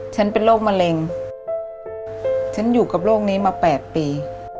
ฉันเป็นโรคมะเร็งฉันอยู่กับโรคนี้มา๘ปี